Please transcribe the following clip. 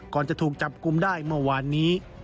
ก่อนจะถูกจับกลุ่มได้เมื่อวานนี้